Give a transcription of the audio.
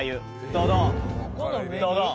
ドドン！